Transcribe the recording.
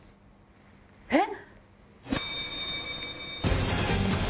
えっ⁉